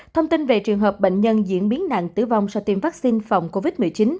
thông tin về trường hợp bệnh nhân diễn biến nặng tử vong do tiêm vaccine phòng covid một mươi chín